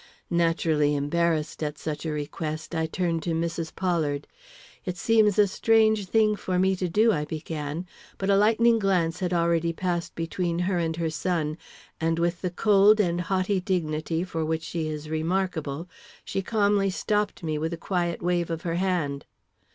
Naturally embarrassed at such a request, I turned to Mrs. Pollard. "It seems a strange thing for me to do," I began; but a lightning glance had already passed between her and her son, and with the cold and haughty dignity for which she is remarkable, she calmly stopped me with a quiet wave of her hand.